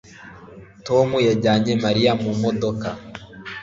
Tom yajyanye Mariya mu modoka